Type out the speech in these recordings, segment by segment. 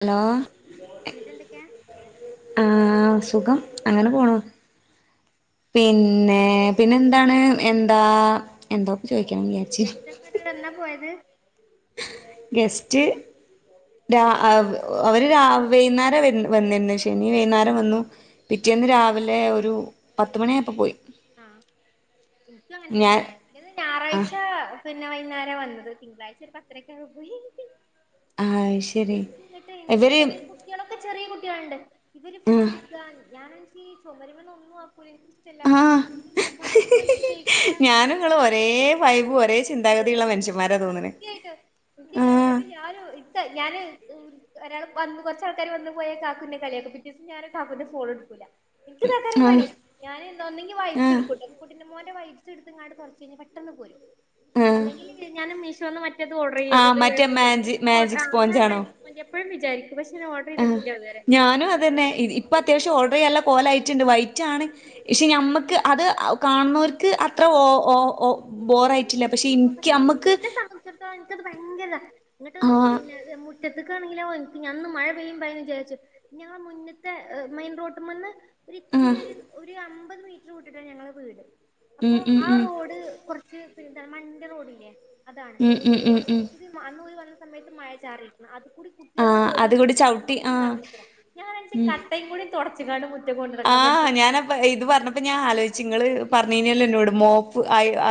Hello എന്നിട്ട് എന്തൊക്കെ ആഹ് സുഖം അങ്ങനെ പോണു പിന്നെ പിന്നെ എന്താണ് എന്താ എന്താപചോയിക്കണവി ഗെസ്റ്റ്ക്കാങ്ങട്ട് എന്നാ പോയത്? ഗസ്റ്റ്ര രാ അവ അവര് രാ വൈന്നേരം വന്നിരുന്നേ ശ ശനി വൈന്നേരം വന്നു ആഹ് പിറ്റേന്ന് രാവിലെ ഒരു പത്തുമണിയായപ്പോ പോയി ആഹ് എനിക്കുഅങ്ങനെ ഞാൻ തന്നെ ഇൻ്റത് ആഹ് ഞായറാഴ്ച പിന്നെ വൈന്നേരം വന്നത് തിങ്കളാഴ്ച ഒരു പതരയൊക്കെ ആയപോ പോയി ആഹ്ആഹ് ആഹ്ശേ ഇൻക്ക്ങ്ങട്ട് എനിക്കങ്ങനെറിയ കുട്ടികളൊക്കെ ചെറിയ കുട്ട്യാളുണ്ട് ഇവര് ഫുഡ് ആഹ് ഇടുക്കാ ഞാന ഇൻക്ക് ചുമരിമല് ഒന്നും ആകൂല ഇന്ക് ഇഷ്ടല്ല, ഞാനുംനിങ്ങളും ഒരേ വൈബും ഒരേ ചിന്താഗതിയള്ള മനുഷ്യന്മാരാ തോന്നണ് ആഹ് ഇൻക്ഞാൻഇങ്ങട്ട് ല്ലാരു [unintelligible] ഇൻക്കെ ഹ് ഞാാന് [unintelligible] ഒരാൾ വന്ന് കൊ റച്ചാൾക്കാർ വന്ന് പോയ കാക്കുന്റെ കളിയക്കും പിറ്റേസം ഞാന് കാക്കുന്റെ ഫോൺ എടുക്കൂല്ല എനിക്ക് തക്കരം ആഹ് പണി ഞാന് ഒന്നെങ്കി വൈറ്റ് ആഹ് ഇടുക്കുട്ടോ കുന്റെ മോൻ്റവൈറ്റ്സഎടുത് തൊട്ച് കഴിഞാ പെട്ടെന്ന് പോരും ആഹ് അല്ലെങ്കിൽ ഞാന് മീഷോന്ന് മറ്റ ഇ ത് ഓർഡർ ചെയ് ആഹ് മറ്റേ മാജി മാജിക് സ്പോഞ്ചാണോ [unintelligible] മറ്റെ എപ്പഴും വിചാരിക്കും പക്ഷെ ഓഡ ആഹ് ഞാനും അതന്നെഇ ഇപ് ഇപ്പൊ അത്യാവശ്യം ഓർഡർ ചെയ്യനുള കോലയയിട്ടുണ്ട് വൈറ്റാണ് പക്ഷെ ആ ഞമ്മക്ക് അത് കാണുന്നൊർക്ക് അത്ര ഒഓഒ ബോറയി പക്ഷെ നിക്ക് ഇന്നെ സംബന്ധിച്ചിടത്തോളം എനിക്കത് ഭയങ്കര ഇങ്ങട്ട്ട ആഹ് പിന്നെ മു റ്റതിക്കണെങ്കിലൊ ഞാൻ മഴ പെയ്യുന്ന് വിചാരിച്ചു ഞങ്ങള് മുന്നിത്തെ മെയിൻറോട് മന്ന് ഒര് ആഹ് ഇത്തിരി ഒരു ഒരു അമ്പത് മീറ്റർ വിട്ടിട്ടാണ് ഞങ്ങളുടെ വീട് അപ്പൊ ഉം ഉം ആ ഉം റോഡ് കൊ റച്ച് പിന്നെ എന്ത മണിന്റെ റോഡില്ലേ അതാണ് ഉം ഉം ഉം ഉം അതൊക്കു വന്ന സമയത്ത് മഴ ചാറി അത് കൂടി കുട്ടികൾ ആഹ് അങ്ങോ് അത് ഒഓടിയിട്ട് കൂടി ചവിട്ടി ആഹ് കട്ടക്കമകൂടിനടന്നിക്കൺ ഞാനെച്ച ഉം കട്ടയും കൂടി തൊടച്ച കാണ്ട് മുറ്റക്കൊണ്ട് നടക്കണ ആഹ് മനസത്തിയാ ഞാനപ്പ ഇത് പറഞ്ഞപ്പോ ഞാൻ ആലോചിച്ച് ങ്ങള് പറഞ്ഞിനിലോ എന്നോട് മോപ്പ്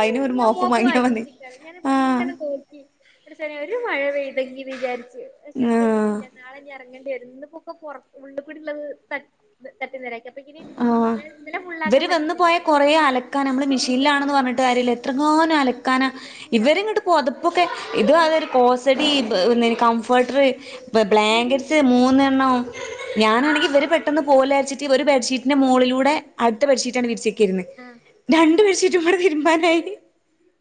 അയിന് ഒരു മോപ്പ് വാങ്ങിയ മതി ചേർങ്ങനെ ആഹ് ഇന്നങ്ങനെ നോക്കി പടച്ചോനെ ഒരു മഴ പെയ്തെങ്കി വിചാരിച്ച പക്ഷെ ആഹ് പെയിനില്ല നാളെ ഇനി ഇറങ്ങേണ്ടി വരു ഇന്ന്പ്പോർ ഉള് കൂടി ഉള്ളത് ത തട്ടി നിരൊക്കെ അപെകിന് ഇന്നലെ ഫുള്ളാക്കാൻ പറ്റില്ല ഇന്നലെ ഇത്ര അലക്കാൻ നമ്മള് മെഷീനിലാണെന്ന് പറഞ്ഞിട്ട് കാര്യല്ല്യ എത്രങ്ങോനം അലക്കാന ണ്ട് ഇവരും അറിയോ കിങ്ങട്ട് പൊതപ്പോക്കെ ഇത് അതൊരു കോസടി പി കംഫേർട്ടർ ഒക്കെങ്ങട്ട് ബ്ലാങ്കറ്റ്സ് മൂന്നെണ്ണോ ഞാനാണെങ്കിൽ ഇവര് പെട്ടെന്ന് പോലാച്ചിട്ട് ഷീറ്റിന്റെ മുകളിലൂടെ അടുത്ത പട്ഷീറ്റ ആണ് വിരിച്ചക്കയിരിന്നത് ആഹ രണ്ടു പേഷീട്ടും ബാടെ തിരുമ്പാനായി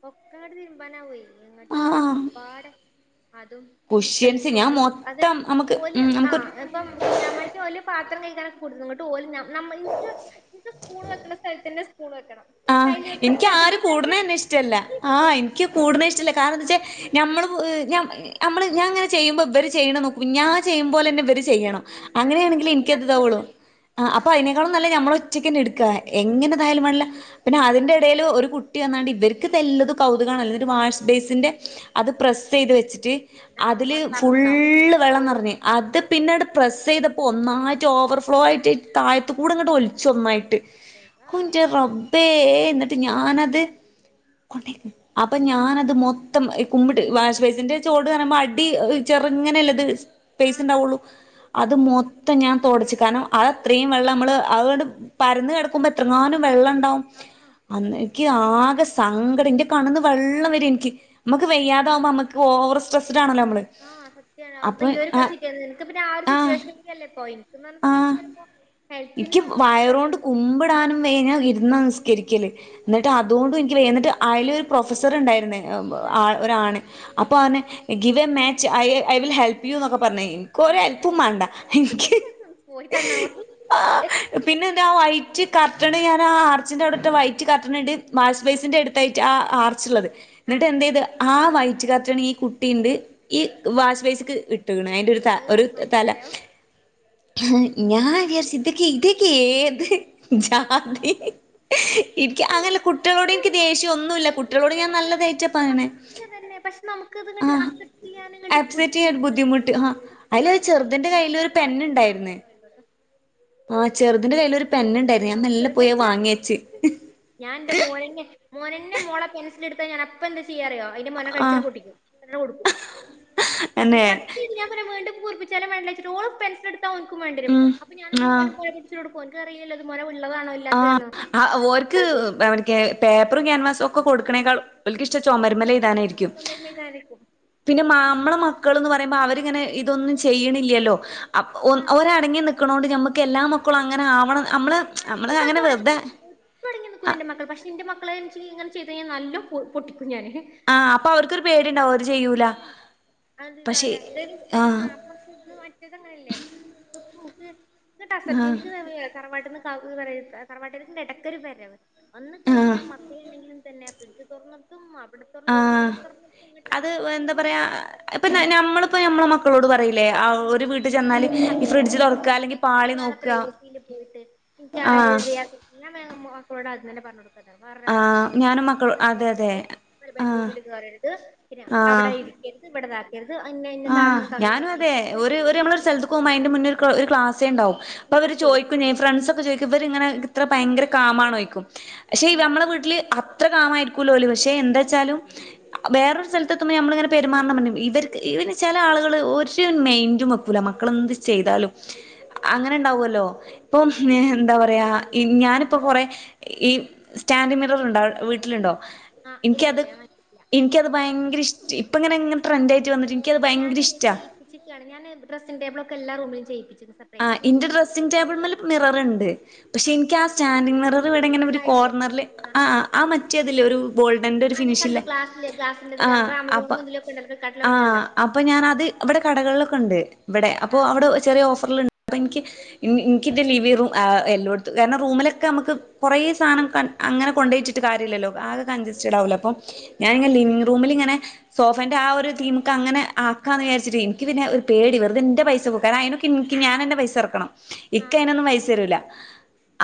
ഒക്കെ അങ്ങട്ട് തിരുമ്പാനാവേ ഇങ്ങോട്ട് ആഹ് ആകപ്പാടെ അതും കുഷ്യൻസ് ഞാൻ പ്ലേറ്റെളും അതെ മൊത്തം നമുക്ക് ഓല ഉം ആഹ നമുക്ക് [unintelligible] ഇപ്പം കുഞ്ഞാമായിട്ട്ഓലിയ പാത്രം കഴിക്കാനൊക്കെ കൊടുത്ത ഇങ്ങോട്ട് ഓല [unintelligible] നിനിക്ക് സ്പൂണ് വെക്കണ സ്ഥലത്ത്ന്റെ സ്പൂണ് വെക്കണം ആഹ കയ്യില് വെക്ക്ണ എനിക്ക് ആര് സ്ഥലത്തന്നെ കൂടേന്നെ കയ്യില് നിഷ ഇഷ്ടമല്ല ആഹ എനിക്ക് കൂടണ ഇഷ്ടല്ല കാരണം എന്താ വെച്ചാൽ നഞമ്മള് നമ്മള് ഞാൻങ്ങനെ ചെയ്യുമ്പോൾ ഇവര് ചെയ്യണം നോക്കും ചെയ്യുമ്പോല തന്നെ ഇവർ ചെയ്യണം ആഹ് അങ്ങനെയാണെങ്കിൽ അത്പ്പോ എനക്ക്ത് തോകളൂ നടക്കൂലല്ലോ ആഹ് അപ്പൊ അതിന ന്നല്ല നമ്മളെ ഒറ്റക്കെ എടുക്കാ ആഹ് എങ്ങനെ തായാലും മേണ്ടില്ല പിന്നെ അതിന്റെ ഇടയിൽ ഒരു കുട്ടി വന്നാണ്ട് ഇവർക്ക് നല്ലത് കൗതുകമാണ് അല്ലെങ്ക ഒരു വാഷസ് ബേസിന്റെ അത് പ്രസ് ചെയ്ത് വെച്ചിട്ട് ആഹ് അതില് വടെ നടന്നിട്ടുണ്ടാവും ഫുള്ള് വെള്ളം നിറഞ്ഞഞ് അത് പിന്നീട് പ്രെസ്സ് ചെയ്തപ്പോ ഒന്നായിട്ട് ഓവർ ഫ്ലോ ആയിട്ട് താഴത്ത കൂടി ഇങ്ങട്ട് ഒലിച്ച ഒന്നായിട്ട് ൻ്റെ റബേ എന്നിട്ട് ഞാനത് കൊണ്ട അപ്പൊ ഞാനത് മൊത്തം കുമ്പിട്ട് വാഷ് വൈസിന്റെ ചോട് പറണുമ്പോ അടി ചെറങ്ങനെയല്ലത് പേസ ആഹ് ഉണ്ടാവുള്ളു അത് മൊത്തം ഞാൻ തൊടച്ച് കാരണം അത അത്രയും വെള്ളം നമ്മള് അതുകൊണ്ട് പരുന്ന് കിടക്കുമ്പോ എത്രങ്ങാനുംം വെള്ളം ഉണ്ടാവും ആഹ അന്ന എനിക്ക് ആകെ സങ്കടം എന്റെ കണന്ന് വെള്ളം വര എനിക്ക് നമുക്ക് വ്യയ്യതാവുമ്പോ നമുക്ക്ഓവർ സ്ട്രെസ്ഡ ആണല്ലോ നമ്മള് ആഹ് സത്യോ അത് അപ്പൊ ഈ ഒരു ആ സീറ്റിയ നിനക്ക് പിന്നെ ആ ഒരു ആഹ് സിറ്റുവേഷൻ കേണ്ടിയല്ലേ പോയി [unintelligible] ആഹ് സംബദ്ധിച്ചപ്പോ എനിക്ക് വയറോണ്ട് കുമ്പ ടാനും വഞ്ഞ ഇരുന്ന നിസ്കരിക്കല് എന്നിട്ട് അതുകൊണ്ടും എനിക്ക് വ എന്നിട്ട് അയലൊ ഒരു പ്രൊഫസർ ഉണ്ടായിരുന്ന ആഹ് ആഹ ഒരാണ് അപ്പോൾ അവന് give a match I I will help you എന്നൊക്കെ പറഞ്ഞ് കഴിഞ്ഞ് ഒരു അല്പ്പും വേണ്ട എനിക്ക് ആഹ് പോയി തന്നാ മതി പിന്നെ എന്റെ വൈറ്റ് കർട്ടൺ ഞാൻ ആഹ ആർച്ചിന്റെ അവിടെ വൈറ്റ് കർട്ടൺ ഇ വാഷ് ബസിൻ്റെ അടുത്തായിട്ട് ആഹ ആർച്ചുള്ളത് ആഹ് എന്നിട്ട് എന്ത് ചെയ്ത് ആഹ വയറ്റ് കാട്ടാണ് ഈ കുട്ടിണ്ട് ഈ വാശ് വേസിക്ക് ഇട്ടുകണ അതിന്റെ ഏഹ് ഒരു തല മഞ്ഞായോ ഞാൻ വിച്ചത ഇതക്ക ഏത് [unintelligible] തി എനിക്ക് അങ്ങനല്ല കുട്ടികളോട് എനിക്ക് ദേഷ്യം ഒന്നുമല്ല കുട്ടികളോട് ല്ല ഞാൻ പക്ഷെ നല്ലതായിട്ടാ പറയണേ പതുക്കെ തന്നെ പക്ഷെ നമുക്ക്ത്ങ്ങട്ട് ആഹ് അക്സെപ്റ്റ് ചെയ്യാന ഇങ്ങോട്ട് ആക്സെപ്റ്റ് ചെയ്യാൻ ഒരു ബുദ്ധിമുട്ട് ആഹ് [unintelligible] അതിലൊരു മനസ ചെറുതിന്റെ കയ്യിൽ ഒരു [unintelligible] കൊറക്കെ [unintelligible] പറയും ആഹ ചെറുതിന്റെ കയ്യിൽ ഒരു പെന്ന്ണ്ടായി ഞാൻ എന്റെ മോനെ മോനന്റെ മോളെ പെൻസൽ എടുത്താ ഞാൻ അപ പ്പൊ എന്താ ചെയ്യാറിയോ അതിന്റെ മൊന കഴിച്ച ആഹ് പൊട്ടിക്കും കൊടുക്കും അന്നെ എന്നചാ [unintelligible] വീർപ്പിച്ചാല മണ്ടഓ പെസടുത്താ അവ വണ്ടരും ഉം അപ്പ ഞാൻ എന്തയും ആഹ് ഒന് [unintelligible] എനിക്ക് അറിയില്ലത് മനള്ളതാണല്ല [unintelligible] ആഹ ഓക്ക് [unintelligible] പേപ്പറും ക്യാൻവാസും ഒക്കെ കൊടുക്കണേക്കാൾ അവക്ക് ഇഷ്ട ചുമരിമല ഇഴ്താനായിരിക്കും പിന്നെ മാ ന്നമ്മളെ മക്കൾന്ന് പറയുമ്പോ അവരിങ്ങനെ ഇതൊന്നും ചെയ്യണില്ലല്ലോ ആഹ് ഒരടങ്ങി നി നിക്ക്ണ്ടോണ്ട് നമുക്ക് എല്ലാ മക്കളും അങ്ങനെ ആവണം നമ്മള് ആ നമ്മള് ഇന്റെ അങ്ങനെ മക്കള് അടങ്ങി വെറുതെ നിക്കില്ലേ പ്പടങ്ങി ആഹ് നിക്കുലാന്റെ മക്കൾ പക്ഷെ എന്റെ മക്കള് [unintelligible] ഇങ്ങനെ ചെയ്ത് കഴിഞ്ഞാൽ നല്ല പൊട്ടിക്കും ഞാന് അഹ് ആഹ് അപ്പൊ അവർക്കൊരു പേടിണ്ടാവും അവര് ചെയ്യൂല ൻ്റെ പക്ഷെ തല ആഹ് അ ഇത് മറ്റേതങ്ങനല്ലേ പൂക്ക് ആഹ് ഇന്നട്ടഅസറ്റിൻസ് തറവാട്ടിന്ന് [unintelligible] തറവാട്ടകന് എടക്കൊരു വരവ് വന്ന് ആഹ് കഴിഞ്ഞാൽ മക്കള എന്തെങ്കിലും തന്നെ ഫ്രിഡ്ജ് തൊറന്ന്ട്ടും അവിടെ തൊറന്ന്ട്ടും ആഹ് ഇവിടെ തൊറന്നട്ടും ങ്ങട്ട് ആകെ കൂടെ ഇപ്പ ഞമ്മളിപ്പോ നമ്മെ മക്കളോട് പറയില്ലേ ആ ഒരു വീട് [unintelligible] നോക്കുക പ്രൈവസിൽ പോയിട്ട് നിക്ക് ആഹ് [unintelligible] ഞാൻ മക്കളോട് ആദ്യതന്നെ പറഞ്ഞ് കൊടുക്കതാണ് വേറൊരാളെ ആഹ് വീട്ട് ഞാനും മക്കളോ ഫ്രിഡ്ജ് അതെ അതെ തൊറക്കരുത് [unintelligible] ആഹ് ബെഡ്റൂമിൽ കേറരുത് പിന്നെ അവിടെ ആഹ് ഇരിക്കരുത് ഇവിടെ രുത് അഹ്ന് ന്നെ ആഹ് ഞാനും അതെ ഒരു ഒരു മ്മളെസ്ഥല തെ ക്കും അതിന്റെ മുന്ന ഒരു ക്ലാസേ ണ്ടാവും അപ്പോ ഞാൻ അവര് എടുത്ത് കൊടുക്കും ചോയിക്കും. ഫ്രണ്ടസ് ഒക്കെ ചോദിക്കും ഇവര് ഇങ്ങനെ ഇത്ര ഭയങ്കര കാമാണോചോദിക്കും പക്ഷെ ഉം നമ്മെളെ വീട്ടില്. ത്ര കാമായിരിക്കൂല്ലോൽ പക്ഷെ എന്താ ആഹ് വെച്ചാലും വേറൊരു സ്ഥലത്തെത്തുമ്പോൾ നമ്മളിങ്ങനെ പെരുമാറണം ഇവർ. ഇവർ ചെല ആളുകൾ ഒരു മൈന്റും വെക്കൂല മക്കളെന്ത് ചെയ്താലും. അങ്ങനെ ഉണ്ടാവുല്ലോ ഇപ്പം എന്താ പറയാ ഞാനിപ്പം കൊറേ. ഈ സ്റ്റാന്റ് മിറർ ഉണ്ടോ വീട്ടിലുണ്ടോ. ആഹ് ഇല്ല എനിക്കത് ഇല്ല ഞാൻ വാങ്ങിക്കില്ല എനിക്കത് ഭയങ്കര ഇഷ്ടം ഇപ്പ ഇങ്ങനെങ്ങനെ ട്രെന്റ് ആയിട്ട് വന്നിട്ട്. എനിക്കത് ഭയങ്കര ഞാന് ഇഷ്ടാ ചെയിപ്പിച്ചിക്കാണ് ഞാന് ഡ്രസ്സിംഗ് ടേബിൾ ഒക്കെ എല്ലാ റൂിലും ചെയ്യിപ്പിച്ചിക് സർ ആ ഇന്റെ ഡ്രസ്സിംഗ ടേബിൾ മേല് മിറർണ്ട്. പക്ഷെ ആഹ് എനിക്ക് ആ സ്റ്റാൻഡിങ്ങ് മിറർ വടെ ഇങ്ങനെ ഒരു ഫുള്ളായിട്ട് കോർണറില് ആഹ് ആ ആഹ് ആ മറ്റേതില്ലേ ഒരു. ഗോൾഡന്റെ ഒരു ആഹ് ഞാൻ കണ്ടു ഫിനിഷ്ല്ലേ ഗ്ലാസില് ആ ഗ്ലാസിന്റെതില് അപ്പൊ അമസോണിലും ഇതിലൊക്കെ ഉണ്ടല്ലോ ആ. ഫ്ലിപ്കാർട്ടിലൊക്കെ ഉണ്ടല്ലോ അപ്പോൾ ഞാന അത് ഇവിടെ കടകളിലൊക്കെ ഉണ്ട് ഇവിടെ അപ്പോൾ ആഹ് ആഹ് അവിടെ ചെറിയ ഓഫറിലു അപ്പോൾ എനിക്ക് എനിക്കിത് ലിവി എല്ലോടത്തും കാരണം റൂമിലൊക്കെ നമുക്ക് കുറെേ സാധനം ക അങ്ങനെ ആഹ് കൊണ്ടോയിട്ട് ട്ട് കാര്യല്ലല്ലോ ആകെ കഞ്സ്റ്റഡ് ആകല്ലോ അപ്പം ഞാനിങ്ങന ലവിംഗ് റൂമിലിങ്ങനെ.. സോഫന്റെ ആ ഒരു ടീമിക്ക് അങ്ങനെ ആക്കാന്ന് വിചാരിച്ചിട്ട് എനിക്ക് പിന്നെ ഒരു പേടി വെറുതെന്റെ പൈസ പോക് കാരണം അനൊ. നിക്ക്നിക്ക് ഞാനന്റെ പൈസ ഇറക്കണം ആഹ് ഇക്ക ആഹ് അയിനൊന്നും പൈസ തരൂല്ല.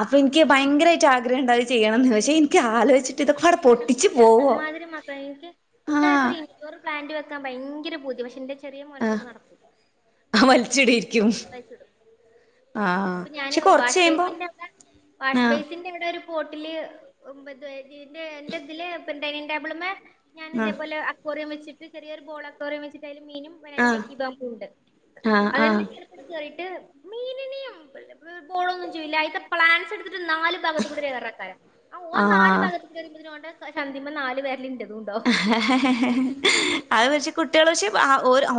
അപ്പൊ എനിക്ക് ഭയങ്കരായിട്ട് ആഗ്രഹം ഉണ്ടാവ അത് ചെയ്യണംമന്ന് പക്ഷെ എനിക്ക് ആലോചിട്ട്. നടടക്കൂല അമാതിരി മക്കള എനിക്ക് ആഹ് നിക്ക്. ഡോറ് പ്ലാന്റ് വെക്കാൻ ഭയങ്കര പൂതി പക്ഷെന്റെ ചെറിയ മോനെ ആഹ് കൊണ്ട് നടക്കൂല ആ വലിച്ചിടിയിരിക്. വലിച്ചിടും അപ്പൊ ഞാന് പക്ഷെ കൊറച്ച് വാഷ് കഴിയുമ്പോ ബേസിന്റെവിടെ ആഹ് വാഷ്ബേസിന്റെ വിടെ ഒരു ബോട്ടില് എന്റെ ഇതില് ഡൈനിങ് ടേബിള്മ്മേ ആഹ് ഞാനിതേപോല അക്വോറിയ വച്ചിട്ട് ചെറിയരു ബോളഅക്വോറിയ വെച്ചിട്ടായില്മീനും. ആഹ് [unintelligible] ആഹ് അതന്നെ ആഹ് കേറിട്ട് മീനിനിം ബോളും ഒന്നും ചെയ്യൂല അയിത്തെ പ്ലാന്റ്സ് ഇടത്ത് ട്ട് നാല് ഭാഗത്തുകൂടെ കേ റേക്കാരും ആ ഓ നാല് ആഹ് ഭാഗത്ത് കേറി വരുമ്പത്തിന്ന് ഓൻ്റെചന്തി മേ നാല് വെര്‌ല് ഇൻ്റെത്. അത് വച്ച് കുട്ട്യാള് പക്ഷെ അ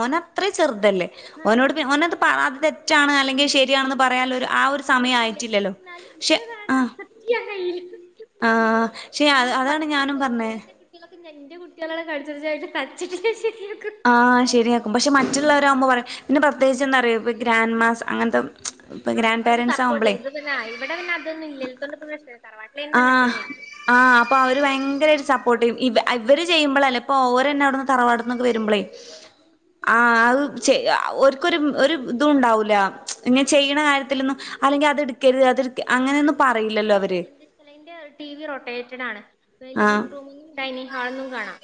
ഓന അത്ര ചെറുതല്ലേ.. ആഹ് ഓനോട് എന്നട്ട് ഓനത് അത് എനിക്ക് തെറ്റാണ് അല്ലെങ്കിൽ ശരി യാണെന്ന് പറയാ ള്ള ആ ഒരു സമയം ആയിട്ടില്ല ആയിട്ടില്ലല്ലോ പക്ഷെ എന്നാലും പക്ഷെ ആ എനിക്കതാടാ അക്സെപ്റ്റ് ചെയ്യാൻ കഴിയില്ല ആഹ് ശെ അതാണ് ഞാനും പറഞ്ഞേ കുട്ടികളൊക്കെന്റെ ഇൻ്റെകുട്ടികളെ കടിച്ച്ട്ട്ച്ചി്ന്റെ. [unintelligible] ആഹ് ശെരിയാക്കും പക്ഷെ മറ്റുള്ളവരാവുമ്പോ പറിം പിന്നെ പ്രത്യേകിച്ച് എന്തറിയൊ പ്പ ഗ്രാൻഡ് മാസ് അങ്ങൻത്തെ.. ആഹ് ഒരു സപ്പോർട്ട് ന്നട്ട് പിന്നെ ഏഹ് ഇവട പിന്ന അതൊന്നുല്ല്യാത്തൊണ്ട് പ്പ പ്രശ്നേ ആഹ്. ആഹ് അപ്പൊ അവര് വയങ്കര ഒരു സപ്പോർട്ടെയ്യും. ഇവ ഇവര് ചെയ്യുമ്പളല്ലേ ഇപ്പൊ ഓരെന്നെ അവിടുന്ന് തറവാട്ന്നൊക്കെ വെരുമ്പളേയ് ആഹ് അത് ച്ചെ അ ഓര്ക്കൊരു ഉം ഒരു തുംണ്ടാവൂലാ. ഇങ്ങെനെ ആഹ് ചെയ്യണ കാര്യത്തിലൊന്നും അല്ലെങ്കി അത്ട്ക്കര്ത് അത്ട്ക്ക് അങ്ങനെയൊന്നും പറയില്ലല്ലോ അവര്. അല്ല ഇന്റെ ടി വി റോട്ടേറ്റഡാണ്. വേ ആഹ് ലിവിംഗ് റൂമ്ന്നും ഡൈനിംഗ് ഹാൾന്നും കാണാ.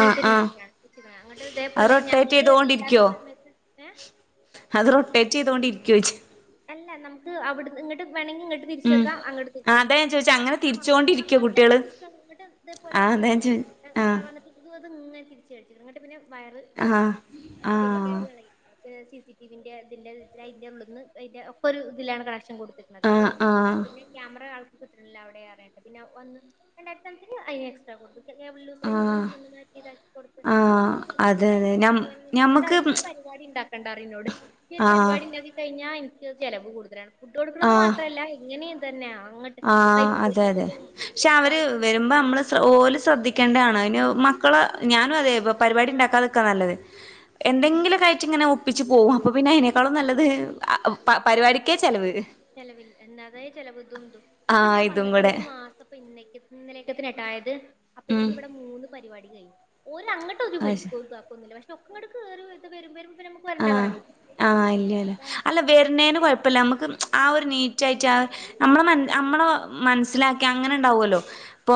ആഹ് ആഹ് രീത്യായ്ട്ടാണ് തീര്ച്ചെക്ക്ണാണ് അങ്ങട്ട് അത് തേപോലെ റൊട്ടേറ്റ് ഞങ്ങള് ഇല്ലാത്ത ചെയ്തോണ്ടിരിക്കോ സമയത്ത് ഏഹ് അത് റൊട്ടേറ്റെയ്തുകൊണ്ടിരിയ്‌ക്കോയ്ച്ച് അല്ല നമുക്ക് അവ്ട്ന്ന് ങ്ങട്ട് വേണങ്കി ഇങ്ങട്ട് ഉം തിരിച്ചക്കാ അങ്ങട്ട് ആഹ് അതാ തിരിച്ചെക്കാ ഞാൻ ചോദിച്ചെ അങ്ങനെ ആഹ് തിരിച്ചോണ്ടിരിക്കോ [unintelligible] കുട്ടികള് ങ്ങട്ട് തേപോലെ ആഹ് അതാ ഞാൻ വന്ന്ട്ട് ചോ ആഹ് [unintelligible] വന്ന്ട്ട് ഇത് അത് ങ്ങനെ തിരിച്ച് കൾച്ചി ർങ്ങട്ട് പിന്നെ വയറ് ആഹ് ഇതായിക്ക്ണ്, പിന്നെ ആഹ് കേബിൾ വളയി അപ്പ ഞാൻ സി സി ടിവിന്റെ തിന്റെ അയ്ന്റെ ഉള്ള്ന്ന് അയ്ന്റെ ഒക്കെ ഒരു തിലാണ് കണക്ഷൻ കൊട് ആഹ് ആഹ് [unintelligible] ക്യാമറ ആൾക്ക് കിട്ട്ണ്ട്ല്ല അവടെ അർഞ്ഞിട്ട് പിന്നെ ഒന്ന് രണ്ടായിര്ത്തി സംതിങ്ങ അയ്ന്എക്സ്ട്രാ കൊടുക്കു പ്പം കേബ്ൾ ലൂസായ്ക്ക്ണ്. ആഹ് പ്പൊ ഒന്ന് മാറ്റിതാ കൊട്ത്ത്. ആഹ് അതെ എന്നാ അതെ ഇന്നെ ഞ [unintelligible] ഞമ്മക്ക് ന്നോടറിം ഞ്ഞി ഒരു പരിവാടി ണ്ടാക്കണ്ടാ റിം ന്നോട്. ഞ്ഞി ഒരു ആഹ് പരിപാടിണ്ടാക്കി കയ്ഞ്ഞാ ഇൻക്ക് ചെലവ് കൂട്തലാണ്, ഫുഡ് കൊടുക്ക്ണത് ആഹ് മാത്രല്ല ഇങ്ങനിം തെന്നാ അങ്ങട്ട് ആഹ് പൈപ്പ് അതെ, അതെ പൊട്ടിച്ചിട്ടും പക്ഷെ അവര് ഇതായിട്ടും വെരുമ്പം അമ്മള് ശ്ര ഓല് ശ്രദ്ധിക്കേണ്ട ആണ് അയ്ന് മക്കളെ ഞാനും അതെ പ പരിപാടി ആഹ് ണ്ടാക്കാതക്കാ നല്ലത് എന്തെങ്കിലും ഒക്കായിട്ട്ങ്ങനെ ഒപ്പിച്ച് പോവും അപ്പം പിന്നെ അയിനേക്കാളും നല്ലത് ആ പ പരിവാടിക്കേ ചെലവ് ചെലവില്ല എണ്ണാവേ ചെലവ് തും തും ഇപ്പം ആഹ് ഞാൻ ഇതും വന്നിട്ട് കൂടെ ഒരു മാസ് അപ്പം ഇന്നേയ്ക്ക് ഇന്നലേയ്ക്കത്തിന് ട്ടൊ ആയത്. ഉം അപ്പേക്കിന് വടെ മൂന്ന് പരിവാടി കയ്ഞ്ഞ്. ഒരങ്ങട് ട്ടോല് അത് വിളിക്കും താക്കൊന്നുല്ല പക്ഷെ ഒക്കങ്ങട്ട് കേറി വ്ട്ട് വെരും വെരും ആഹ് ആഹ് ഇല്ല്യാല അതാണ് അല്ല വെര്ണേന് കൊയപ്പല്ല അമ്മക്ക് ആ ആഹ് ഒരു നീറ്റായിട്ട് ആ ഞമ്മളെ മൻ അമ്മളെ മൻസ്സ്ലാക്കി അങ്ങനെണ്ടാവോലൊ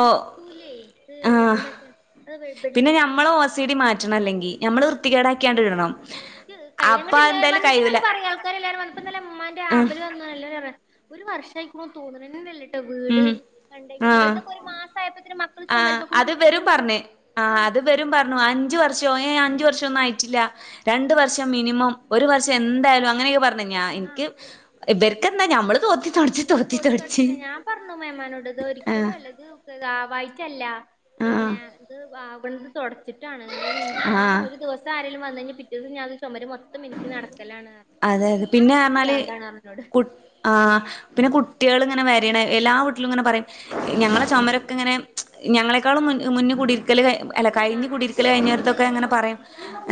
നിക്കൂലേയ് ത് എന്താച്ചാ അത് പിന്നെ ബെഡ്ഷീറ്റെല്ലാം ഞമ്മളെ ഞാൻ ഓർസിടി മാറ്റണല്ലെങ്കി ഞമ്മള് വൃത്തികേടാക്കിയാണ്ട് ഇടണം. ഇയ്ക്ക് അപ്പൊ കയ്യൂലങ്ങട്ട് ന്നേ എന്തായാലും വന്നട്ട് കയ്യൂല ങ്ങട്ട് പറയ ആൾക്കാരെല്ലാരും വന്ന് പ്പന്നലെ മ്മാന്റെ ആഹ് ആബ്ബ്ന് വന്ന എല്ലാരുറ്യാ ഒരു വർഷായിക്ക്ണു തോന്ന്ണെന്നെല്ല ട്ട വീട് ഉം കണ്ടയ്ഞ്ഞ ആഹ് ഓൽതൊക്കെ ഒരു മാസായപ്പത്തിന് മക്കള് ആഹ് ചൊമര്മ്മക്കൂടി അത് കുത്ത്യര്ഞ്ഞ്ട്ട് ഇവരും ഞാപർഞ്ഞ് പറഞ്ഞ് ആഹ് അത് വരും പർഞ്ഞു അഞ്ച് വർഷോ ഏഹ് അഞ്ച് വർഷൊന്നും ആയിട്ടില്ല രണ്ട് വർഷം മിനിമം ഒരു വർഷം ആഹ് എന്തായാലും അങ്ങനൊക്കെ പറഞ്ഞ് ഞാൻ ആഹ് ഇൻയ്ക്ക് ഇവെര്ക്കെന്താ ഞമ്മള് തോത്തി തൊട്ച്ച് തോത്തി തൊട്ട്ച്ചിട്ന്നേ ഞാൻ പർഞ്ഞു മേമാനോട് ഇത് ഒരിയ്ക്കലും ആഹ് അല്ല ഇത് [unintelligible] ആവായിട്ടല്ല ആഹ് പിന്നെ ഇത് ആവ്ണത് തൊടച്ചിട്ടാണ് ഒര് മിൻറ്റ് ഞാൻ ആഹ് പറലെ ഒരു ദിവ സം ആരേലും വന്നയ്ഞ്ഞാ പിറ്റേന്ന് ഞാത് ചൊമര് മൊ ത്തം മിനിക്കി നടക്കലാണ് അതെ അതെ ർഞ്ഞ്. പിന്നെ അണക്ക് പറഞ്ഞാല് പിരാന്താണ്ർഞ്ഞ് ന്നോട്. കു ആഹ് പിന്നെ കുട്ട്യേള് ങ്ങനെ വരിണ എല്ലാ വീട്ടിലുംങ്ങനെ പറിം ഞങ്ങളെ ചൊമരൊക്കെങ്ങനെ ഞങ്ങളെക്കാളും മുന്ന് മൂന്ന് കുടിര്ക്കല് കയ് അല്ല കയ്ഞ്ഞ് ആഹ് കുടീർക്കല് കയ്ഞ്ഞോര് തൊക്കെങ്ങെനെ പറിം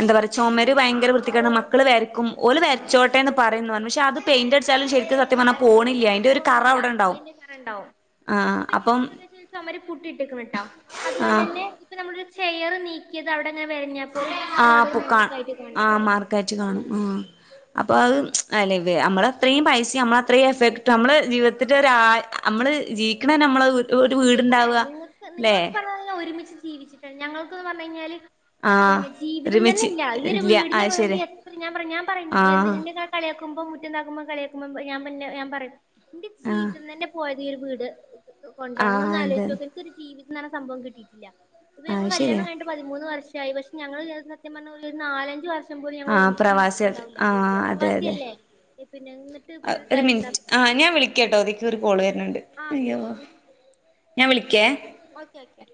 എന്താ പറയ ചൊമര് ഭയങ്കര വൃത്തികേടാ മക്കള് വെര്ക്കും ഓല് ആഹ് വെര്ച്ചോട്ടേന്ന് പറിംന്ന് പർഞ്ഞ്. പക്ഷെ അത് പെയിന്റടിച്ചാലും ശരിക്ക് സ ത്യം പർഞ്ഞാ പോണില്യ. അയ്ൻ്റൊരു കറ പോവൂല അവ്ടെണ്ടാവും. അതിന്റെ കറ ആഹ് അപ്പം ചൊമര് പുട്ടി ഇട്ട് ക്ക്ണ് ട്ടോ ആഹ് അതുകൊണ്ടെന്നെ ഇപ്പ നമ്മളൊരു ചെയറ് നീ ക്കിയത് അവടെങ്ങനെ വെരഞ്ഞാ പോലും അത് അവിടൊരു മാർക്കായിട്ട് കാൺണ് ണ്ട് കേച്ച് കാണും. ആഹ് അപ്പം അത് അല്ല അമ്മളത്രീം പൈസിം അമ്മളത്രിം എഫേർട്ട് ട്ത്തും അമ്മളെ ജീവിതത്തിന്റെ ഒരാ അമ്മള് ജീവിക്കണെന്നെ അമ്മളെ ഒരു സത്യം വീടുണ്ടാവ പറയാ നിങ്ങൾക്ക് ല്ലെ നിങ്ങളൊക്കെ പറഞ്ഞ ഒരുമിച്ച് ജീവിച്ചിട്ടുണ്ട് ഞങ്ങക്ക്ന്ന് പറഞ്ഞഞ് കഴിഞ്ഞാല് ആ പിന്നെ ജീവിതം തന്നെ ഒരുമിച്ച് ഇല്ല ഈ ഒരു ഇല്ല വീടിന് അത് വേണ്ടി ശരി എത്ര ഞാൻ ഞാൻ പറിം ആ ഇന്നെക്കാട്ടിം കളിയാക്കുമ്പം മുറ്റണ്ടാക്കുമ്പം കളിയാക്കുമ്പം ഞാൻ പറിം ഇന്റെ ആ ജീവിതം തന്നെ പോയത് പുതിയൊരു വീട് ആ കൊണ്ടാണ് ങ്ങളൊന്ന് അതെ ആലോയ്ച് നോക്കി ഇൻക്കൊരു ജീവിതന്നർഞ്ഞ സംഭവം കിട്ടിയിട്ടില്ല ഇപ്പം ആ ഞങ്ങളെ കല്യാണം ശരിയാ കയ്ഞ്ഞിട്ട് പതിമൂന്ന് വർഷായി പക്ഷെ ഞങ്ങളെ ജീവിതം സത്യം പറഞ്ഞ ഒരു നാലഞ്ച് വർഷം വർഷം പോലും ഞങ്ങൾ ആ ഒരുമിച്ച് പ്രവാസികൾ ജീവിച്ചിട്ടുണ്ടാവില്ല ആ അതെ അതെ പ്രവാസിയല്ലേ പിന്നെ ഇന്നട്ട്പ്പം ഒര് തായിരുന്ന ആഹ് ഞാൻ വിളിക്കാട്ടോ ഇതിയ്ക്ക് ഒരു കോൾ വർണ് ണ്ട് ആ ഓക്കെ അയ്യോ ഞാൻ വിളിക്കേ ഓക്കെ ഓക്കെ